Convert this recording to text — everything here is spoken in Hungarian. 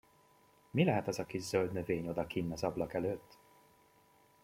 Mi lehet az a kis zöld növény odakinn az ablak előtt?